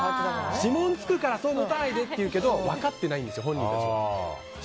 指紋つくから触らないでって言うけど分かってないんですよ、本人たち。